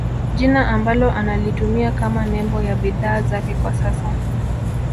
Jina ambalo analitumia kama nembo ya bidhaa zake kwa sasa